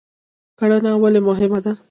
کرهڼه ولې مهمه ده؟